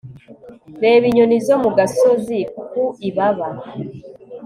reba inyoni zo mu gasozi ku ibaba